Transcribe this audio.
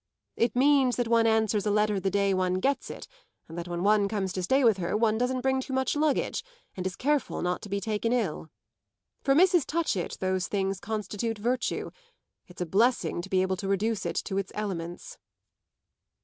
It means that one answers a letter the day one gets it and that when one comes to stay with her one doesn't bring too much luggage and is careful not to be taken ill. For Mrs. Touchett those things constitute virtue; it's a blessing to be able to reduce it to its elements."